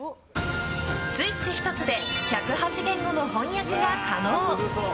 スイッチ１つで１０８言語の翻訳が可能。